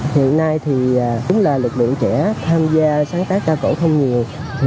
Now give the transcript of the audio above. hiện nay thì cũng là lực lượng trẻ tham gia sáng tác ca cổ không nhiều